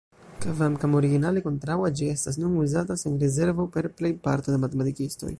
Kvankam originale kontraŭa, ĝi estas nun uzata sen rezervo per plejparto de matematikistoj.